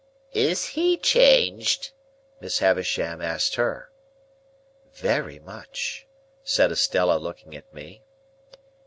"Is he changed?" Miss Havisham asked her. "Very much," said Estella, looking at me.